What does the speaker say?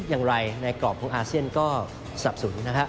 อย่างไรในกรอบของอาเซียนก็สับสนนะครับ